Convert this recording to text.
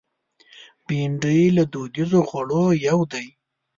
بېنډۍ له دودیزو خوړو یو دی